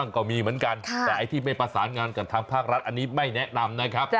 ก็มีเหมือนกันแต่ไอ้ที่ไม่ประสานงานกับทางภาครัฐอันนี้ไม่แนะนำนะครับ